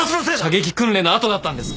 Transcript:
射撃訓練の後だったんです。